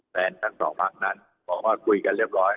ทั้งสองพักนั้นบอกว่าคุยกันเรียบร้อย